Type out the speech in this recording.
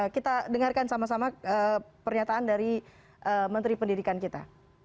kita dengarkan sama sama pernyataan dari menteri pendidikan kita